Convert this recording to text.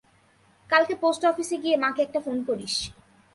কালকে পোস্ট অফিসে গিয়ে মাকে একটা ফোন করিস।